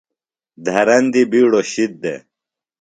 دھرندیۡ بِیڈوۡ شِد دےۡ۔